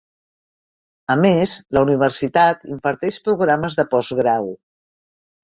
A més, la universitat imparteix programes de postgrau.